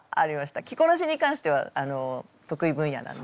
着こなしに関しては得意分野なので。